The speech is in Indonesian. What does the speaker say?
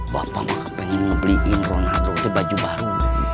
bapak ma pengen beliin ronaldo itu baju baru